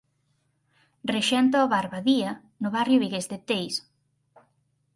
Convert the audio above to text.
Rexenta o bar Badía no barrio vigués de Teis.